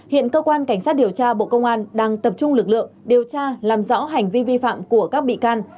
hiện cơ quan cảnh sát điều tra bộ công an đang tập trung lực lượng điều tra làm rõ hành vi vi phạm của các bị can